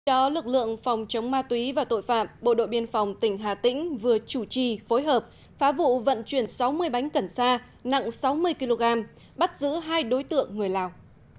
đó lực lượng phòng chống ma túy và tội phạm bộ đội biên phòng tỉnh hà tĩnh vừa chủ trì phối hợp phá vụ vận chuyển sáu mươi bánh cần sa nặng sáu mươi kg bắt giữ hai đối tượng người lào